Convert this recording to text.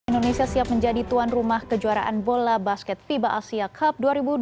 indonesia siap menjadi tuan rumah kejuaraan bola basket fiba asia cup dua ribu dua puluh